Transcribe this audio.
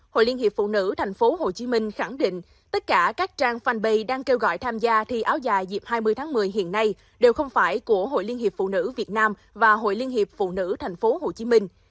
hội liên hiệp phụ nữ tp hcm khẳng định tất cả các trang fanpage đang kêu gọi tham gia thi áo dài dịp hai mươi tháng một mươi hiện nay đều không phải của hội liên hiệp phụ nữ việt nam và hội liên hiệp phụ nữ tp hcm